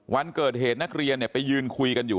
วันเกิดเหตุนักเรียนไปยืนคุยกันอยู่